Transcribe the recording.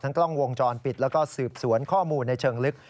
กล้องวงจรปิดแล้วก็สืบสวนข้อมูลในเชิงลึก